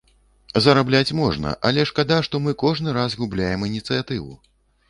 Зарабляць можна, але шкада, што мы кожны раз губляем ініцыятыву.